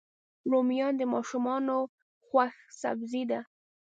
رومیان د ماشومانو خوښ سبزي ده